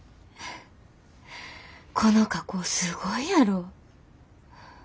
この加工すごいやろ。